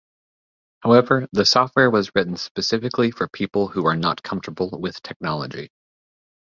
However, the software was written specifically for people who are not comfortable with technology.